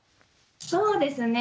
そうですね。